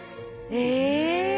え？